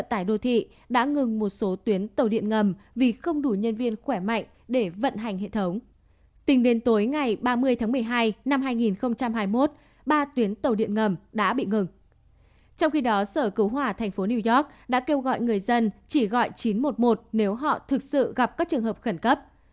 trong khi đó sở cứu hỏa thành phố new york đã kêu gọi người dân chỉ gọi chín trăm một mươi một nếu họ thực sự gặp các trường hợp khẩn cấp